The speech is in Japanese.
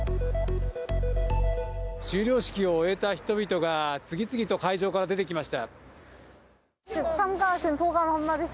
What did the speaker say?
修了式を終えた人々が、次々と会場から出てきました。